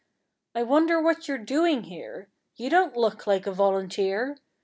I wonder what you're doin' here? You don't look like a volunteer!